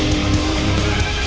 tiga dua satu